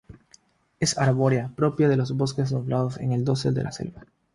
Es arbórea propia de los bosques nublados en el dosel de la selva.